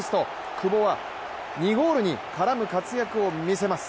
久保は２ゴールに絡む活躍を見せます。